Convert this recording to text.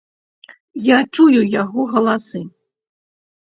Я чую яго галасы.